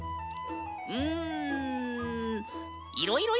うん。